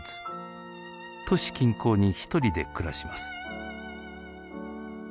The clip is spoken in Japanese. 都市近郊に一人で暮らします。